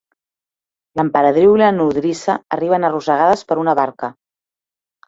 L'emperadriu i la nodrissa arriben arrossegades per una barca.